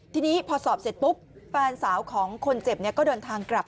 ทีนี้พอสอบเสร็จปุ๊บแฟนสาวของคนเจ็บก็เดินทางกลับ